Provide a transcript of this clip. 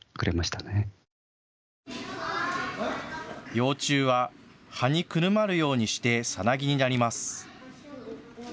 幼虫は葉にくるまるようにしてサナギになります。